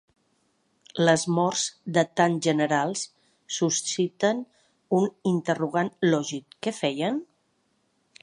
Les morts de tant generals susciten un interrogant lògic: què feien?